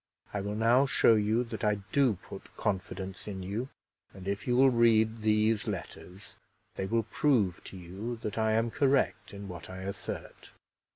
I will now show you that I do put confidence in you; and if you will read these letters, they will prove to you that I am correct in what I assert."